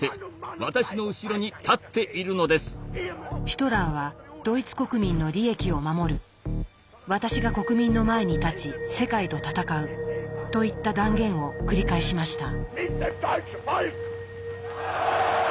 ヒトラーは「ドイツ国民の利益を守る」「私が国民の前に立ち世界と戦う」といった断言を繰り返しました。